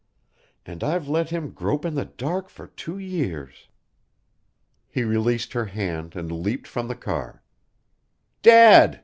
And I've let him grope in the dark for two years!" He released her hand and leaped from the car. "Dad!"